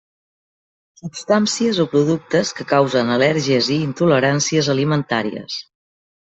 Substàncies o productes que causen al·lèrgies i intoleràncies alimentàries.